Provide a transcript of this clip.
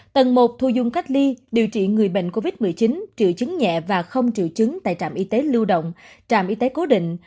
tầng một thu dung cách ly điều trị người bệnh covid một mươi chín triệu chứng nhẹ và không triệu chứng tại trạm y tế lưu động trạm y tế cố định